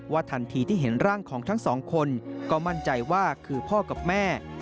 ทันทีที่เห็นร่างของทั้งสองคนก็มั่นใจว่าคือพ่อกับแม่